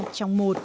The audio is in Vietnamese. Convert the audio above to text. ba trong một